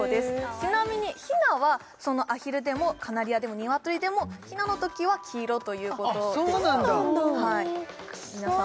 ちなみにひなはそのアヒルでもカナリアでもニワトリでもひなのときは黄色ということでしたあそうなんだ！